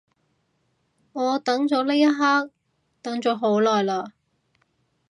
我等咗呢一刻等咗好耐嘞